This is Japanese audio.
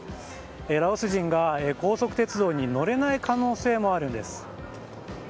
ラオス人が高速鉄道に乗れない可能性もあるんです。